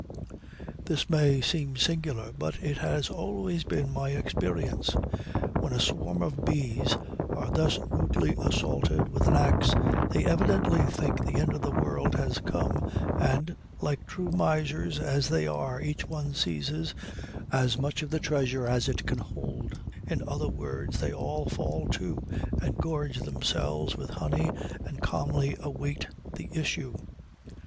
This may seem singular, but it has nearly always been my experience. When a swarm of bees are thus rudely assaulted with an ax they evidently think the end of the world has come, and, like true misers as they are, each one seizes as much of the treasure as it can hold; in other words, they all fall to and gorge themselves with honey, and calmly await the issue.